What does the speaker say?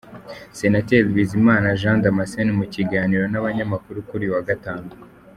Senateri Bizimana J Damascene mu kiganiro n’abanyamakuru kuri uyu wa gatanu.